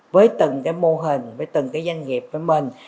với từng mô hình với từng doanh nghiệp với mình